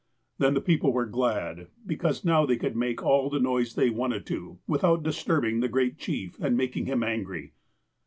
Then the people were glad, because now they could make all the noise they wanted to, without disturbing the Great Chief and making him angry."